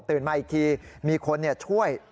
ตื่นมาอีกทีมีคนเนี่ยช่วย